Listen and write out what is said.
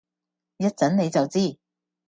一陣你就知